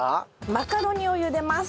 マカロニをゆでます。